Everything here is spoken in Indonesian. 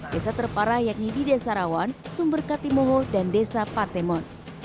desa terparah yakni di desa rawan sumber katimoho dan desa patemon